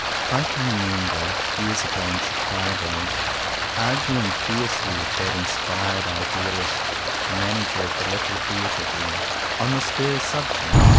I can remember, years ago, in Chicago, arguing fiercely with that inspired Idealist, 149 CONFESSIONS OF TWO BROTHERS the Manager of the Little Theatre there, on this very subject.